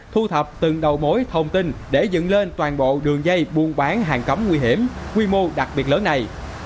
thu thập từng đầu mối thông tin để dựng lên toàn bộ đường dây buôn bán hàng cấm nguy hiểm quy mô đặc biệt lớn này